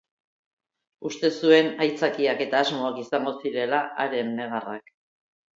Uste zuen aitzakiak eta asmoak izango zirela haren negarrak.